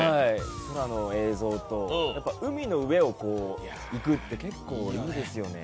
空の映像と、海の上を行くって結構いいですよね。